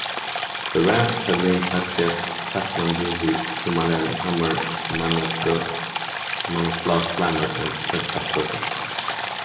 The rafts have names such as "Kathmandoozy", "Himalayan Hummer", "Manaslu Slammer", and "Sherpa Surfer".